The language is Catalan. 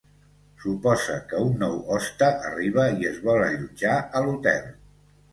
Suposa que un nou hoste arriba i es vol allotjar a l'hotel.